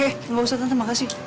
eh nggak usah tante makasih